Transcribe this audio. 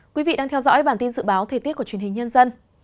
quý vị đang theo dõi bản tin dự báo thời tiết của truyền hình nhân dân